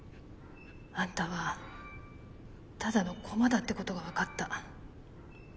あんたはただの駒だってことが分かった。